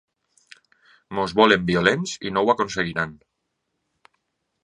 Ens volen violents i no ho aconseguiran.